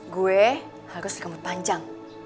gue harus rambut panjang